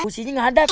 sosisnya nggak hadap